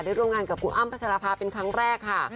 ร่วมงานกับคุณอ้ำพัชรภาเป็นครั้งแรกค่ะ